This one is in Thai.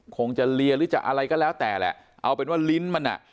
คงจะเลียหรือจะอะไรก็แล้วแต่แหละเอาเป็นว่าลิ้นมันอ่ะ